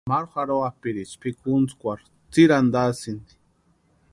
Maru jarhoapʼiriecha pʼikuntskwarhu tsiri antasïnti.